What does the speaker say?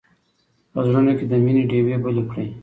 په زړونو کې د مینې ډېوې بلې کړئ.